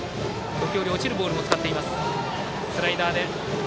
時折落ちるボールも使っています。